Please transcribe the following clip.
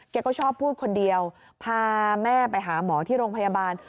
ก็ชอบพูดคนเดียวพาแม่ไปหาหมอที่โรงพยาบาล